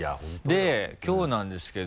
できょうなんですけど。